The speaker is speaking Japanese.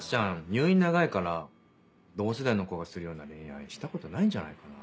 入院長いから同世代の子がするような恋愛したことないんじゃないかな？